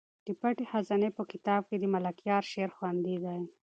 د پټې خزانې په کتاب کې د ملکیار شعر خوندي دی.